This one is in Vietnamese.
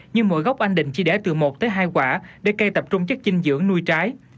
nhưng mỗi gốc anh định chỉ để từ một tới hai quả để cây tập trung chất dinh dưỡng nuôi trái